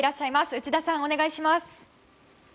内田さん、お願いします。